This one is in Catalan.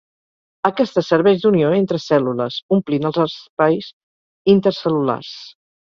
Aquesta serveix d'unió entre cèl·lules, omplint els espais intercel·lulars.